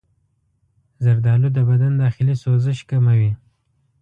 زردآلو د بدن داخلي سوزش کموي.